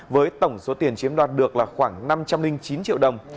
với tổng số tiền chiếm đoạt được là khoảng năm trăm linh chín triệu đồng